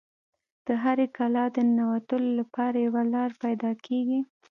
د هرې کلا د ننوتلو لپاره یوه لاره پیدا کیږي